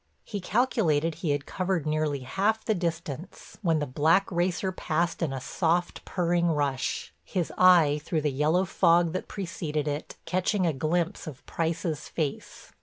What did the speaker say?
He calculated he had covered nearly half the distance when the black racer passed in a soft, purring rush, his eye, through the yellow fog that preceded it, catching a glimpse of Price's face.